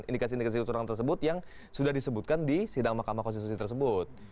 indikasi indikasi kecurangan tersebut yang sudah disebutkan di sidang mahkamah konstitusi tersebut